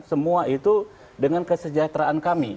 semua itu dengan kesejahteraan kami